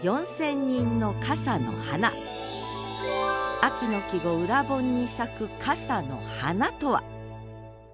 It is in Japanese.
秋の季語「盂蘭盆」に咲く「傘の華」とは？